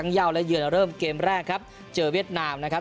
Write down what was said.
จะเริ่มเกมแรกครับเจอเวียดนามนะครับ